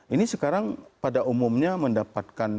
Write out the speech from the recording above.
ini sekarang pada umumnya mendapatkan